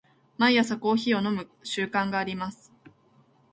毎朝コーヒーを飲む習慣があります。